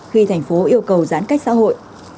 khi thành phố yêu cầu giãn cách xã hội